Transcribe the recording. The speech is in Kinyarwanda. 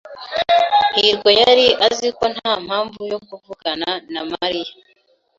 hirwa yari azi ko nta mpamvu yo kuvugana na Mariya.